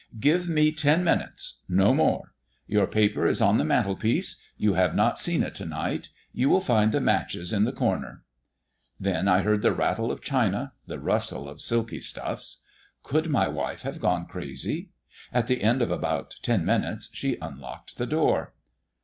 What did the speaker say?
"Give me ten minutes, no more. Your paper is on the mantel piece; you have not seen it to night. You will find the matches in the corner." Then I heard the rattle of china, the rustle of silky stuffs. Could my wife have gone crazy? At the end of about ten minutes she unlocked the door.